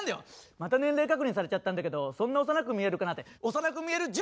また年齢確認されちゃったんだけどそんな幼く見えるかな？って幼く見える自慢してる女子と同じだから！